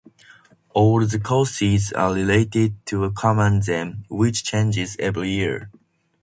All the courses are related to a common theme, which changes every year.